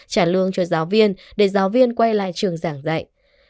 trả lương cho giáo viên để giáo viên quay lại trường giảng dạy